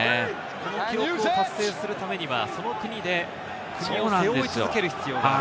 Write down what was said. この記録達成するためには、この国で国を背負い続ける必要がある。